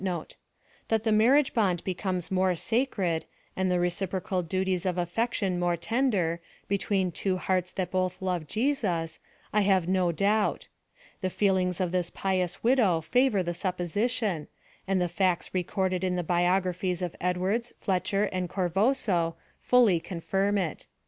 — One of the last times that I saw her, she stated, in • That the marriage bond becomes more sacred, and the recip rocal duties of affection more tender, between two hearts thai both love Jesus, I have no doubt. The feelings of this piouf widow favor the supposition, and the facts recorded in the biog raphies of Edwards Fletcher and Corvosso, fully confirm it.